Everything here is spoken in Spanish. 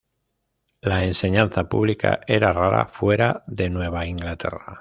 La enseñanza pública era rara fuera de Nueva Inglaterra.